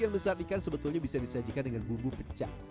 ikan besar ikan sebetulnya bisa disajikan dengan bumbu pecak